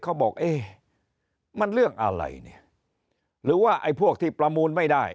เขาบอกเอ๊ะมันเรื่องอะไรเนี่ยหรือว่าไอ้พวกที่ประมูลไม่ได้